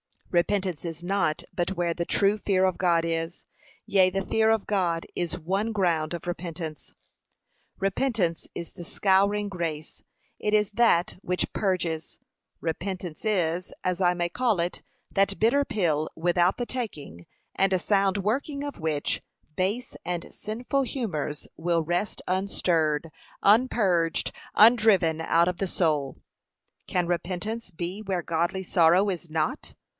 Repentance is not but where the true fear of God is; yea, the fear of God is one ground of repentance. Repentance is the scouring grace, it is that which purges. Repentance is, as I may call it, that bitter pill without the taking, and sound working of which, base and sinful humours will rest unstirred, unpurged, undriven out of the soul. Can repentance be where godly sorrow is not?